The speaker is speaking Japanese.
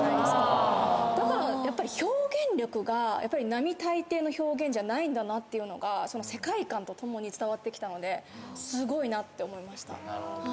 だからやっぱり表現力が並大抵の表現じゃないんだなっていうのが世界観と共に伝わってきたのですごいなって思いました。